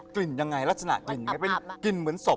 กลิ่นยังไงราชนะกลิ่นไหมกลิ่นเหมือนศพ